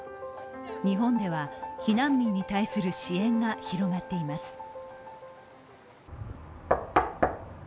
日本では、避難民に対する支援が広がっています。